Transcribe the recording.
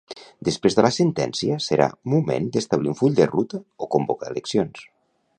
Després de la sentència serà moment d'establir un full de ruta o convocar eleccions.